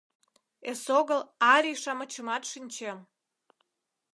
— Эсогыл арий-шамычымат шинчем.